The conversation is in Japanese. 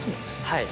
はい。